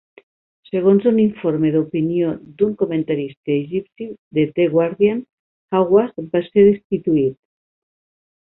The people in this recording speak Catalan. Segons un informe d"opinió d"un comentarista egipci de "The Guardian", Hawass va ser destituït.